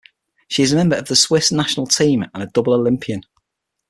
She is a member of the Swiss National Team and a double Olympian.